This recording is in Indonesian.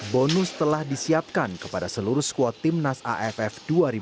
bonus telah disiapkan kepada seluruh skuad tim nas aff dua ribu enam belas